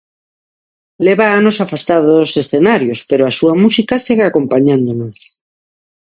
Leva anos afastado dos escenarios, pero a súa música segue acompañándonos.